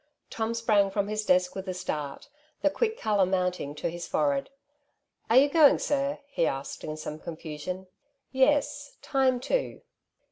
Tom sprang from his desk with a start, the quick colour mounting to his forehead. " Are you going, sir ?'' he asked in some con fusion. '^Tes; time too.